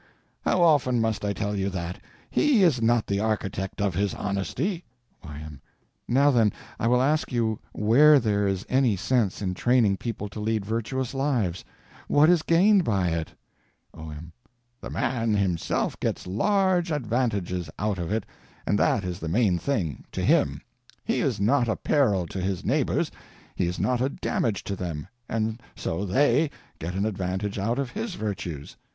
How often must I tell you that? _He _is not the architect of his honesty. Y.M. Now then, I will ask you where there is any sense in training people to lead virtuous lives. What is gained by it? O.M. The man himself gets large advantages out of it, and that is the main thing—to him. He is not a peril to his neighbors, he is not a damage to them—and so _they _get an advantage out of his virtues.